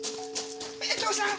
江藤さん！